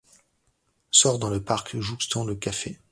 Sors dans le parc jouxtant le café.